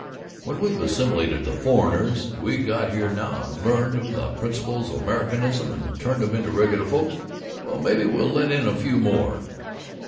When we've assimilated the foreigners we got here now and learned 'em the principles of Americanism and turned 'em into regular folks, why then maybe we'll let in a few more."